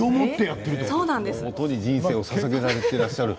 音に人生をささげていらっしゃる。